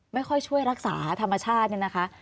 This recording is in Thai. ไม่ค่อยช่วยรักษาธรรมชาติเนี่ยนะคะ